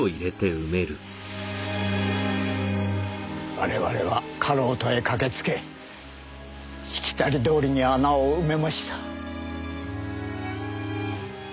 我々はかろうとへ駆けつけしきたりどおりに穴を埋めました。